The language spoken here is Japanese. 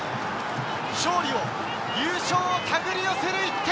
勝利を、優勝を手繰り寄せる１点！